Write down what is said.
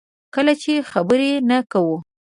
کله چې خبرې نه کوو.